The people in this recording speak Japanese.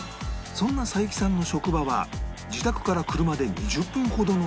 そんな桜雪さんの職場は自宅から車で２０分ほどのところ